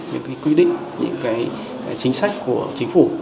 những cái quy định những cái chính sách của chính phủ